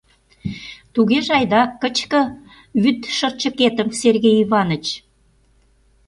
— Тугеже, айда, кычке вӱдшырчыкетым, Сергей Иваныч!